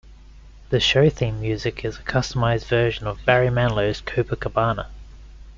The show theme music is a customised version of Barry Manilow's "Copacabana".